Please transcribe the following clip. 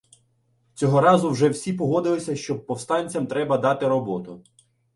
Цього разу вже всі погодилися, що повстанцям треба дати роботу.